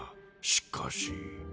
しかし。